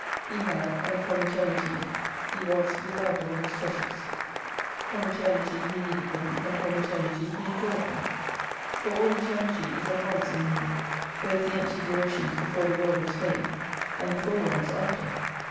He had, and from Eternity He was without all His Treasures. From Eternity He needed them, and from Eternity He enjoyed them. For all Eternity is at once in Him, both the empty durations before the World was made, and the full ones after.